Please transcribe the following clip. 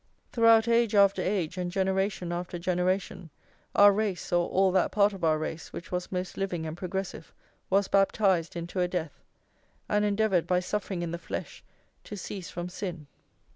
"+ Throughout age after age, and generation after generation, our race, or all that part of our race which was most living and progressive, was baptized into a death;+ and endeavoured, by suffering in the flesh, to cease from sin.